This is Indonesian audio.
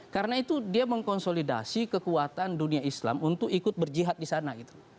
karena itu dia mengkonsolidasi kekuatan dunia islam untuk ikut berjihad di sana